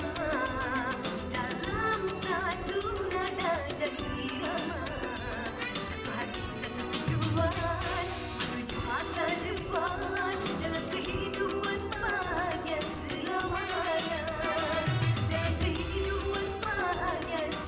saudara saudara aja tuh sekampung semuanya udah pada tinggal di rumah majikan ayah